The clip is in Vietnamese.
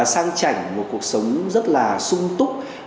sang chảnh một cuộc sống rất là sung túc